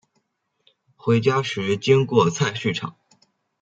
回家时经过菜市场